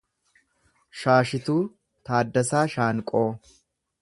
Shaashituu Taaddasaa Shaanqoo